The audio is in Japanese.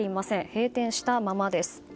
閉店したままです。